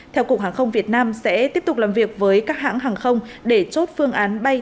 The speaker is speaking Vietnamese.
theo cục hàng không việt nam sẽ tiếp tục làm việc với các hãng hàng không để chốt phương án bay